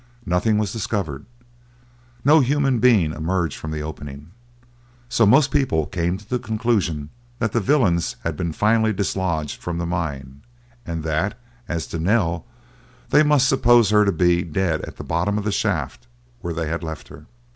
Nothing was discovered—no human being emerged from the opening. So most people came to the conclusion that the villains had been finally dislodged from the mine, and that, as to Nell, they must suppose her to be dead at the bottom of the shaft where they had left her.